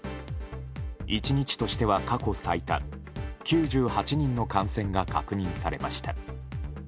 １日としては過去最多９８人の感染が確認されました。